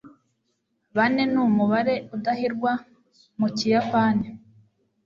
Bane numubare udahirwa mukiyapani.